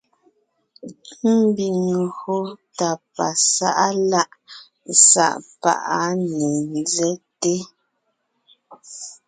Ḿbiŋ ńgÿo tà pasá’a lá’ sá’ pá’ á ne ńzέte,